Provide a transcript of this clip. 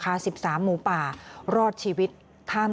ความรับผิดชอบการตัดสินใจที่เด็ดขาด